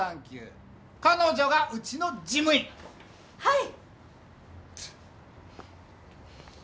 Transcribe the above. はい！